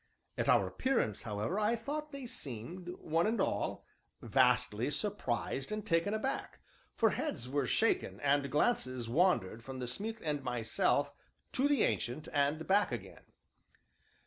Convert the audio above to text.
At our appearance, however, I thought they seemed, one and all, vastly surprised and taken aback, for heads were shaken, and glances wandered from the smith and myself to the Ancient, and back again.